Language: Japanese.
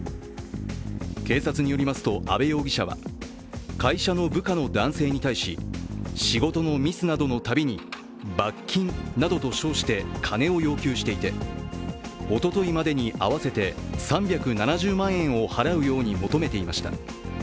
警察によりますと、阿部容疑者は会社の部下の男性に対し仕事のミスなどのたびに罰金などと称して金を要求していて、おとといまでに合わせて３７０万円を払うように求めていました。